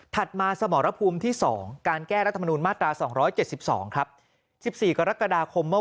มาสมรภูมิที่๒การแก้รัฐมนูลมาตรา๒๗๒ครับ๑๔กรกฎาคมเมื่อ